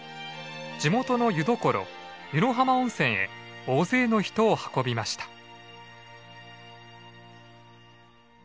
地元の湯どころ湯野浜温泉へ大勢の人を運びました。